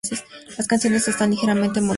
Las canciones están ligeramente modificadas.